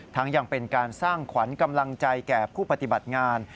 ยังเป็นการสร้างขวัญกำลังใจแก่ผู้ปฏิบัติงาน